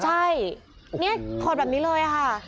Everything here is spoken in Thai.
ใช่นี่ถอดแบบนี้เลยค่ะ